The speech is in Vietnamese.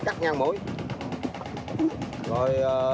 cắt ngang mũi